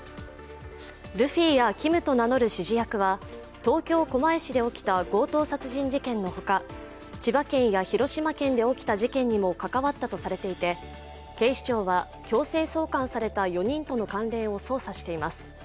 ルフィやＫｉｍと名乗る指示役は強盗殺人事件のほか、千葉県や広島県で起きた事件にも関わったとされていて、警視庁は強制送還された４人との関連を捜査しています。